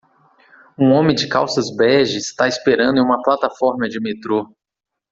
Um homem de calças bege está esperando em uma plataforma de metrô.